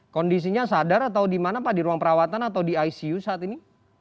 kondisinya sadar atau di mana pak di ruang perawatan atau di icu saat ini